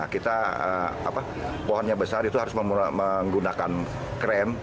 kita apa pohonnya besar itu harus menggunakan kren